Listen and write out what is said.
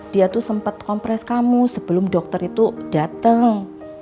dia tuh sempet kompres kamu sebelum dokter itu dateng